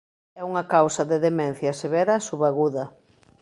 É unha causa de demencia severa subaguda.